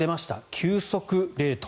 急速冷凍。